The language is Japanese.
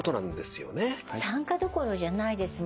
参加どころじゃないです。